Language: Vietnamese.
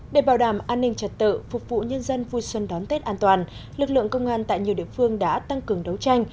để bảo đảm an ninh trật tự phục vụ nhân dân vui xuân đón tết an toàn lực lượng công an tại nhiều địa phương đã tăng cường đấu tranh